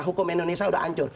hukum indonesia udah hancur